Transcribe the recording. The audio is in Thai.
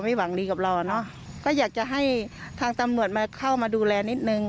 หวังดีกับเราอ่ะเนอะก็อยากจะให้ทางตำรวจมาเข้ามาดูแลนิดนึง